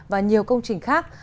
và nhiều công trình khác